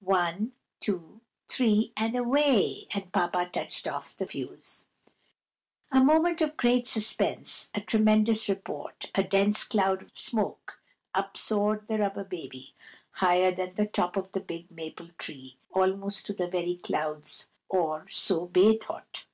One, two, three, and away!" and Papa touched off the fuse. A moment of great suspense, a tremendous report, a dense cloud of smoke. Up soared the Rubber Baby, higher than the top of the big maple tree, almost to the very clouds (or so Bay thought).